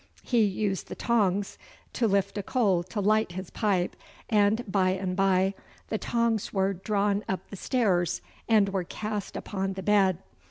He used the tongs to lift a coal to light his pipe, and by and by the tongs were drawn up the stairs and were cast upon the bed.